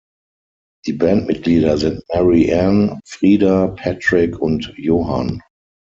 Die Bandmitglieder sind Mary-Anne, Frida, Patrik und Johan.